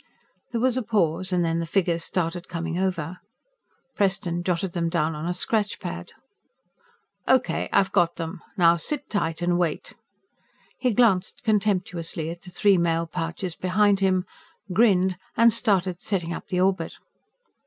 There was a pause, and then the figures started coming over. Preston jotted them down on a scratch pad. "Okay, I've got them. Now sit tight and wait." He glanced contemptuously at the three mail pouches behind him, grinned, and started setting up the orbit.